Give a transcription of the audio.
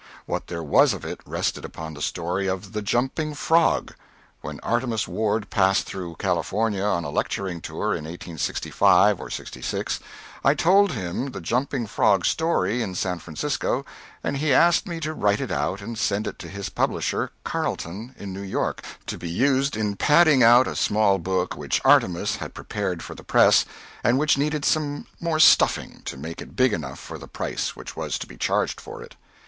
What there was of it rested upon the story of "The Jumping Frog." When Artemus Ward passed through California on a lecturing tour, in 1865 or '66, I told him the "Jumping Frog" story, in San Francisco, and he asked me to write it out and send it to his publisher, Carleton, in New York, to be used in padding out a small book which Artemus had prepared for the press and which needed some more stuffing to make it big enough for the price which was to be charged for it.